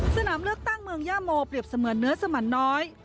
สนามเลือกตั้งเมืองย่าโมเปรียบเสมือนเนื้อสมันน้อย